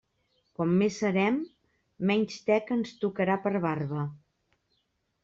Com més serem, menys teca ens tocarà per barba.